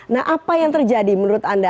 nah apa yang terjadi menurut anda